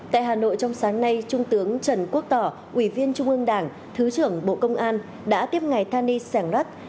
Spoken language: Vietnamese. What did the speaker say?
tại hà nội trong sáng nay trung tướng trần quốc tỏ ủy viên trung ương đảng thứ trưởng bộ công an đã tiếp ngày than đi sẻng loát